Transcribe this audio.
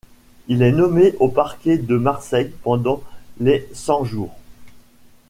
Il est nommé au parquet de Marseille pendant les Cent-Jours.